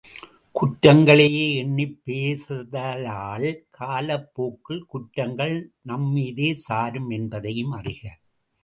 குற்றங்களையே எண்ணிப் பேசுதலால் காலப் போக்கில் குற்றங்கள் நம் மீதே சாரும் என்பதையும் அறிக!